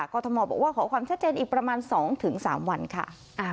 กรทมบอกว่าขอความชัดเจนอีกประมาณ๒๓วันค่ะ